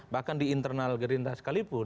bahkan di internal gerindra sekalipun